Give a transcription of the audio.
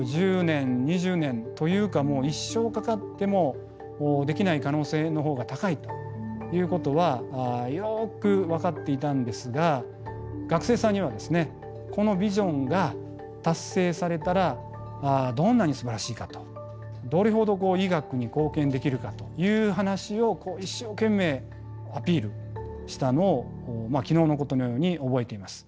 １０年２０年というか一生かかってもできない可能性の方が高いということはよく分かっていたんですが学生さんにはですねこのビジョンが達成されたらどんなにすばらしいかとどれほど医学に貢献できるかという話を一生懸命アピールしたのを昨日のことのように覚えています。